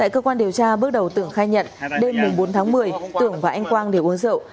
tại cơ quan điều tra bước đầu tưởng khai nhận đêm bốn tháng một mươi tưởng và anh quang đều uống rượu